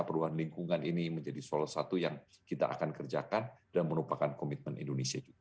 perubahan lingkungan ini menjadi salah satu yang kita akan kerjakan dan merupakan komitmen indonesia juga